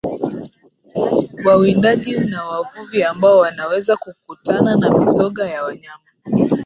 Wawindaji na wavuvi ambao wanaweza kukutana na mizoga ya wanyama